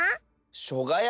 「しょがや」？